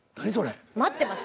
待ってました。